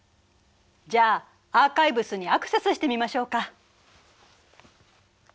じゃあアーカイブスにアクセスしてみましょうか。